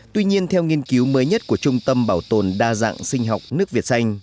tuy nhiên theo nghiên cứu mới nhất của trung tâm bảo tồn đa dạng sinh học nước việt xanh